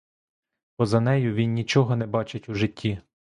Поза нею він нічого не бачить у житті.